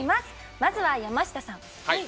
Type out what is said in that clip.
まずは山下さん。